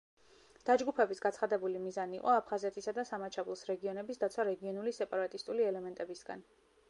დაჯგუფების გაცხადებული მიზანი იყო აფხაზეთისა და სამაჩაბლოს რეგიონების დაცვა რეგიონული სეპარატისტული ელემენტებისგან.